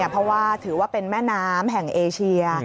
เพราะว่าถือว่าเป็นแม่น้ำแห่งเอเชีย